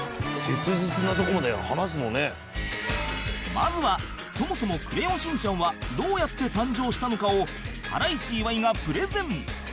まずはそもそも『クレヨンしんちゃん』はどうやって誕生したのかをハライチ岩井がプレゼン